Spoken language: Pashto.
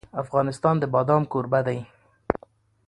افغانستان د بادام کوربه دی.